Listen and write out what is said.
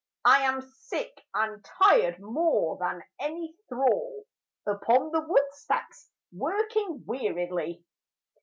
I am sick, and tired more than any thrall Upon the woodstacks working weariedly.